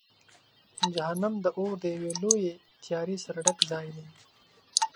جهنم د اور د یوې لویې تیارې سره ډک ځای دی.